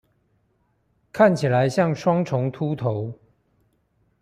看起來像雙重禿頭